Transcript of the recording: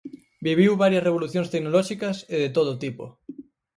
Viviu varias revolucións tecnolóxicas e de todo tipo.